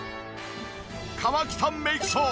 河北メイクショー！